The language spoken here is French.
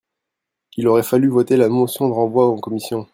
Il aurait fallu voter la motion de renvoi en commission